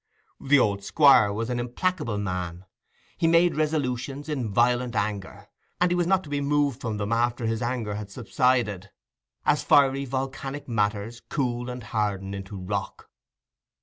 The old Squire was an implacable man: he made resolutions in violent anger, and he was not to be moved from them after his anger had subsided—as fiery volcanic matters cool and harden into rock.